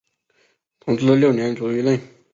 同治六年卒于任。